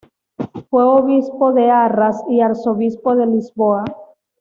Fue obispo de Arras y arzobispo de Lisboa.